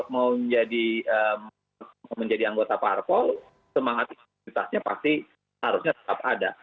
mau menjadi anggota parpol semangat integritasnya pasti harusnya tetap ada